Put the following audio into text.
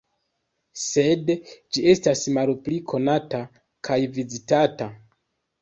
Sed ĝi estas malpli konata kaj vizitata.